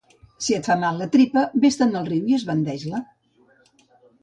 Si et fa mal la tripa, ves-te'n al riu i esbandeix-la.